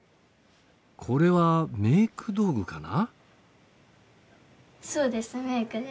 これはメーク道具かな？